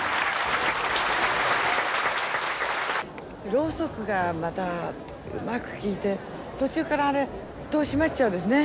ろうそくがまたうまく効いて途中からあれ戸が閉まっちゃうんですね。